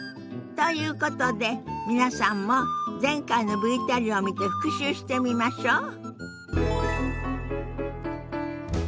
ということで皆さんも前回のＶＴＲを見て復習してみましょ。